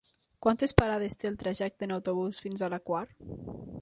Quantes parades té el trajecte en autobús fins a la Quar?